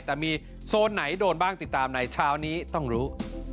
แต่มีโซนไหนโดนบ้างติดตามในเช้านี้ต้องรู้